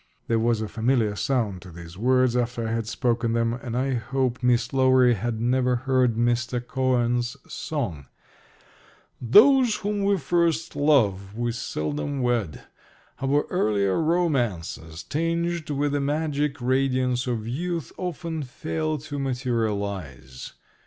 There was a familiar sound to these words after I had spoken them, and I hoped Miss Lowery had never heard Mr. Cohan's song. "Those whom we first love we seldom wed. Our earlier romances, tinged with the magic radiance of youth, often fail to materialize."